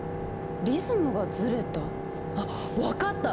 リズムがずれた。